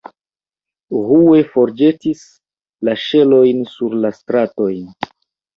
Hue forĵetis la ŝelojn sur la stratojn.